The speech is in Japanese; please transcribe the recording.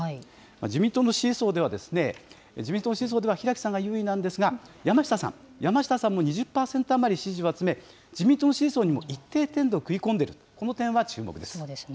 自民党の支持層では、自民党の支持層では平木さんが優位なんですが、山下さん、山下さんも２０％余り支持を集め、自民党の支持層にも一定程度、食い込んでいると、この点は注目です。